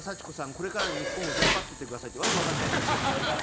これからの日本を引っ張っていってくださいって訳分からないあいさつをしたの。